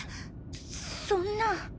そそんな。